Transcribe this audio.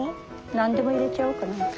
何でも入れちゃおうかな。